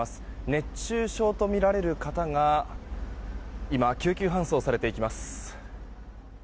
熱中症とみられる方が今、救急搬送されていきます。